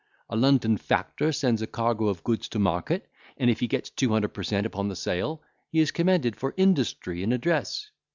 A London factor sends a cargo of goods to market, and if he gets two hundred per cent upon the sale, he is commended for industry and address.